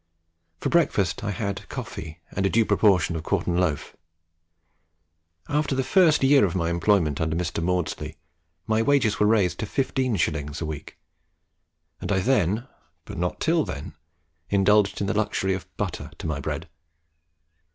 For breakfast I had coffee and a due proportion of quartern loaf. After the first year of my employment under Mr. Maudslay, my wages were raised to 15s. a week, and I then, but not till then, indulged in the luxury of butter to my bread.